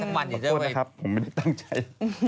ขอโทษนะครับผมไม่ได้ตั้งใจ